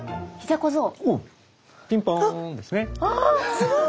すごい！